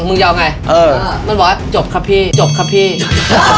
มึงจะเอาไงเออมันบอกว่าจบครับพี่จบครับพี่